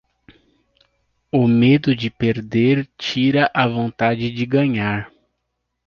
O medo de perder tira a vontade de ganhar.